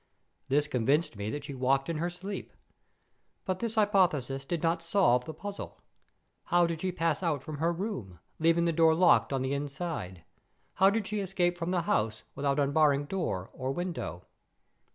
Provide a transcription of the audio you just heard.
This convinced me that she walked in her sleep. But this hypothesis did not solve the puzzle. How did she pass out from her room, leaving the door locked on the inside? How did she escape from the house without unbarring door or window?